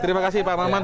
terima kasih pak maman